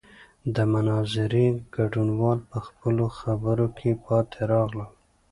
د مناظرې ګډونوال په خپلو خبرو کې پاتې راغلل.